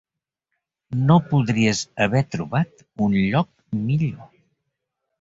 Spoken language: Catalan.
No podries haver trobat un lloc millor.